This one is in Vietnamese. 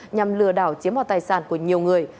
nhằm lừa đảo chiếm vào tài sản của nhiều người